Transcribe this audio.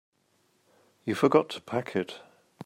You forgot to pack it.